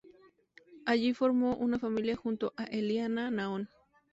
Allí formó una familia junto a Eliana Naón.